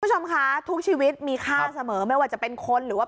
คุณผู้ชมคะทุกชีวิตมีค่าเสมอไม่ว่าจะเป็นคนหรือว่า